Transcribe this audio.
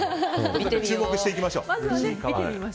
注目していきましょう。